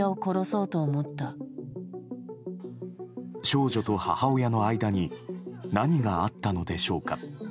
少女と母親の間に何があったのでしょうか。